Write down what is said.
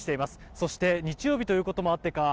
そして日曜日ということもあってか